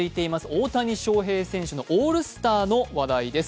大谷翔平選手のオールスターの話題です。